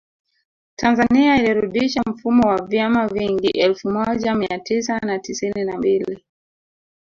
Tanzania ilirudisha mfumo wa vyama vingi elfu moja Mia tisa na tisini na mbili